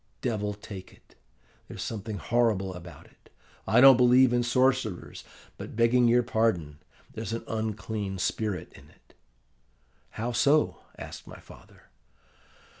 Devil take it, there's something horrible about it! I don't believe in sorcerers; but, begging your pardon, there's an unclean spirit in it.' "'How so?' asked my father.